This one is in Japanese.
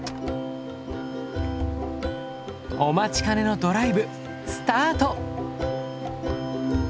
お待ちかねのドライブスタート！